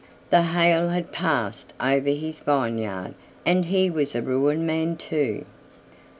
The hail had passed over his vineyard and he was a ruined man too.